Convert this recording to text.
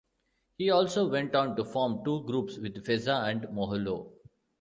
He also went on to form two groups with Feza and Moholo.